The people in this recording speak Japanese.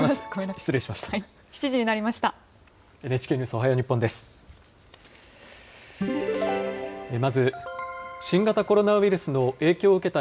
失礼しました。